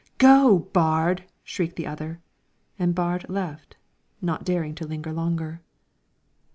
"Go, Baard!" shrieked the other, and Baard left, not daring to linger longer.